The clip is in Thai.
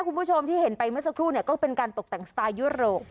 คุณผู้ชมที่เห็นไปเมื่อสักครู่เนี่ยก็เป็นการตกแต่งสไตล์ยุโรป